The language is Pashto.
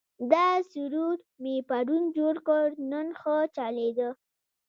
دا سرور مې پرون جوړ کړ، نن ښه چلېده.